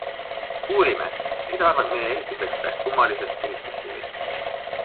Uurime, mida arvab meie ehitusekspert kummalisest ehitusstiilist.